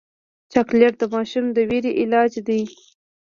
چاکلېټ د ماشوم د ویرې علاج دی.